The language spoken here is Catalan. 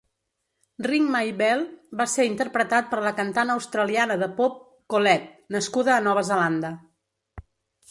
"Ring My Bell" va ser interpretat per la cantant australiana de pop Collete, nascuda a Nova Zelanda.